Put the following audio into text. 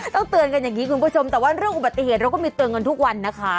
ต้องเตือนกันอย่างนี้คุณผู้ชมแต่ว่าเรื่องอุบัติเหตุเราก็มีเตือนกันทุกวันนะคะ